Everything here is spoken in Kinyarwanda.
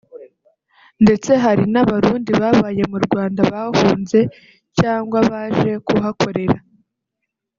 ndetse hari n’abarundi babaye mu Rwanda bahunze cyangwa baje kuhakorera